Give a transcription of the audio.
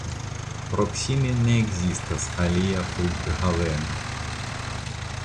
Proksime ne ekzistas alia flughaveno.